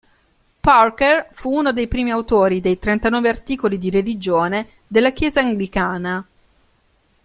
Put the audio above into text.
Parker fu uno dei primi autori dei Trentanove articoli di religione della Chiesa anglicana.